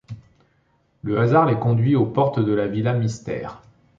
Le hasard les conduit aux portes de la Villa Mystère.